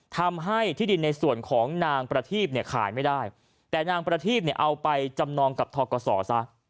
ทำให้ที่ดินในส่วนของนางประทีพเนี่ยขายไม่ได้แต่นางประทีบเนี่ยเอาไปจำนองกับทกศซะ